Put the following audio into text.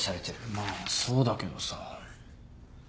まぁそうだけどさ。